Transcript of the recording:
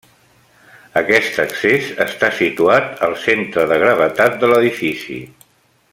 Aquest accés està situat al centre de gravetat de l'edifici.